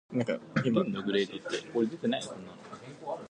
Sam is married to wife, Connie, and has two sons, Clayton and Griffin.